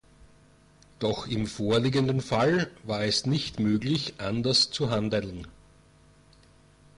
Doch im vorliegenden Fall war es nicht möglich, anders zu handeln.